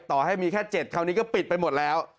ต่อให้มีแค่๗คราวนี้ก็ปิดไปหมดแล้ว